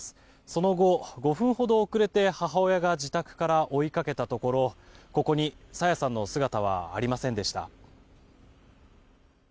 その後、５分ほど遅れて母親が自宅から追いかけたところここに朝芽さんの姿はありませんでした。